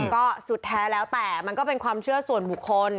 ก็สุดแท้แล้วแต่มันก็เป็นความเชื่อส่วนบุคคล